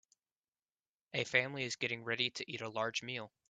A family getting ready to eat a large meal.